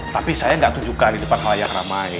tapi saya nggak tunjukkan di depan halayak ramai